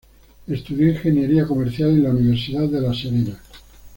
Estudió Ingeniería comercial en la Universidad de La Serena.